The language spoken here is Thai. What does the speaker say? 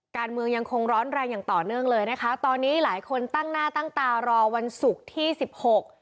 การเมืองยังคงร้อนแรงอย่างต่อเนื่องเลยนะคะตอนนี้หลายคนตั้งหน้าตั้งตารอวันศุกร์ที่สิบหก